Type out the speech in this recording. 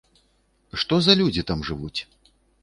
Што за людзі там жывуць?